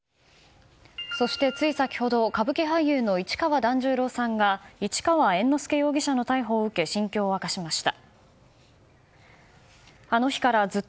そして、つい先ほど歌舞伎役者の市川團十郎さんが市川猿之助容疑者の逮捕を受け、心境を明かしました。